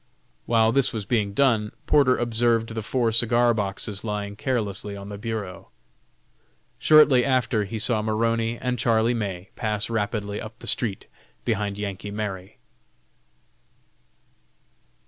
While this was being done, Porter observed the four cigar boxes lying carelessly on the bureau. Shortly after he saw Maroney and Charlie May pass rapidly up the street behind "Yankee Mary."